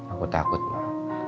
aku takut ma